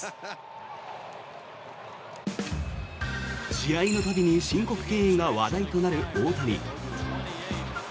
試合の度に申告敬遠が話題となる大谷。